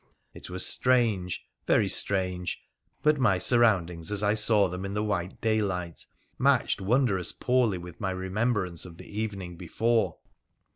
It was strange, very strange ; but my surroundings, as I saw them in the white daylight, matched wondrous poorly with my remem brance of the evening before